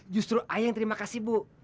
justru ayah yang terima kasih bu